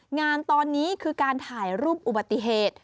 งานตอนนี้คือการถ่ายรูปอุบัติเหตุ